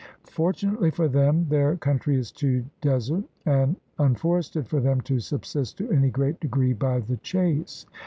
For tunately for them, their country is too desert and unforested for them to subsist to any great degree by the chase.